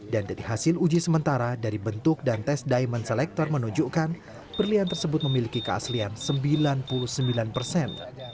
dan dari hasil uji sementara dari bentuk dan tes diamond selector menunjukkan berlian tersebut memiliki keaslian sembilan puluh sembilan persen